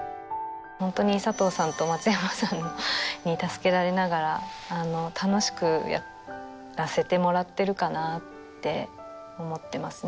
本当に佐藤さんと松山さんに助けられながら楽しくやらせてもらってるかなって思ってますね